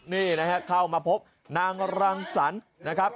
นี่นะฮะเข้ามาพบนางรังสรรค์นะครับ